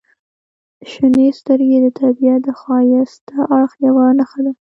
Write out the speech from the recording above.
• شنې سترګې د طبیعت د ښایسته اړخ یوه نښه ده.